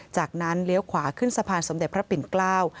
จากนั้นเลี้ยวขวาขึ้นสะพานสมเด็จพระปิ่นเกล้า